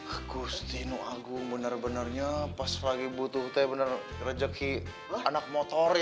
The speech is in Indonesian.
agustinu agung benar benarnya pas lagi butuh teh benar benar rejeki anak motor